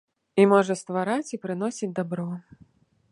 І можа ствараць і прыносіць дабро.